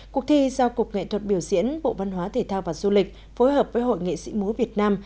cuộc thi do cục nghệ thuật biểu diễn bộ văn hóa thể thao và du lịch phối hợp với hội nghệ sĩ múa việt nam